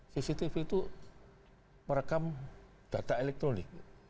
cctv itu merekam data elektronik